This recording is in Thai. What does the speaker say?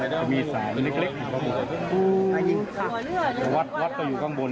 จะมีสายมันเล็กเล็กอืมค่ะวัดวัดก็อยู่ข้างบน